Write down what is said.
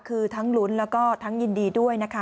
คือทั้งลุ้นแล้วก็ทั้งยินดีด้วยนะคะ